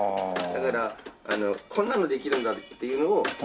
だからこんなのできるんだっていうのを。